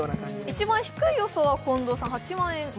一番低い予想は近藤さん、８万円です。